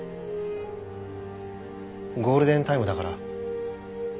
ゴールデンタイムだから。